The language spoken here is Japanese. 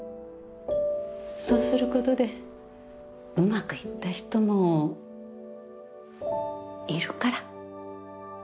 そうすることでうまくいった人もいるから。